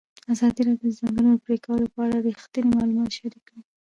ازادي راډیو د د ځنګلونو پرېکول په اړه رښتیني معلومات شریک کړي.